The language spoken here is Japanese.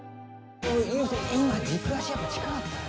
今軸足やっぱ近かったな